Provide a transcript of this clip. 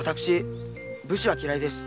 武士は嫌いです。